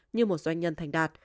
như một doanh nhân thành đạt